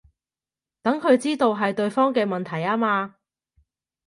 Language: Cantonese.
等佢知道係對方嘅問題吖嘛